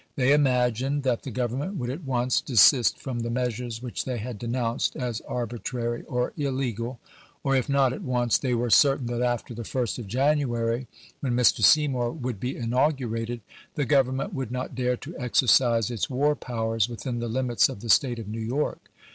They imagined that the Government would at once de sist from the measures which they had denounced as arbitrary or illegal ; or, if not at once, they were certain that after the 1st of January, when Mr. Seymour would be inaugurated, the Government would not dare to exercise its war powers within the limits of the State of New York.